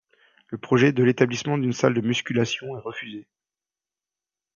Le projet de l'établissement d'une salle de musculation est refusé.